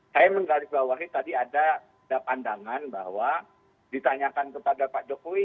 saya mengeras di bawahnya tadi ada pandangan bahwa ditanyakan kepada pak jokowi